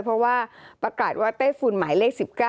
เพราะว่าประกาศว่าไต้ฝุ่นหมายเลข๑๙